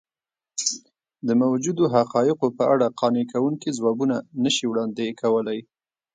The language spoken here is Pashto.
د موجودو حقایقو په اړه قانع کوونکي ځوابونه نه شي وړاندې کولی.